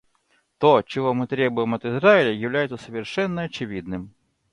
То, чего мы требуем от Израиля, является совершенно очевидным.